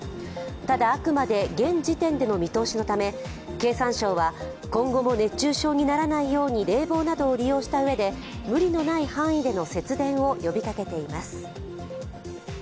ただ、あくまで現時点での見通しのため経産省は今後も熱中症にならないように冷房などを利用したうえで、無理のない範囲での節電を呼びかけています。